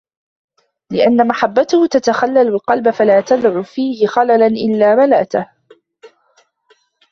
لِأَنَّ مَحَبَّتَهُ تَتَخَلَّلُ الْقَلْبَ فَلَا تَدَعُ فِيهِ خَلَلًا إلَّا مَلَأَتْهُ